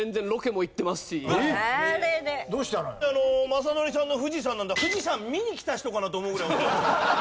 雅紀さんの富士山なんか富士山見に来た人かなと思うぐらい。